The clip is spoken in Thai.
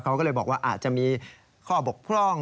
เขาก็เลยบอกว่าอาจจะมีข้อบกพร่อง